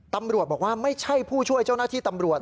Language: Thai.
ตำรวจบอกว่าไม่ใช่ผู้ช่วยเจ้าหน้าที่ตำรวจ